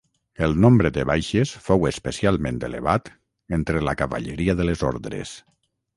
El nombre de baixes fou especialment elevat entre la cavalleria de les Ordres.